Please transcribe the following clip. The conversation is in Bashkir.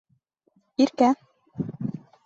Иркә.